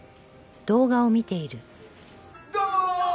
「どうもー！」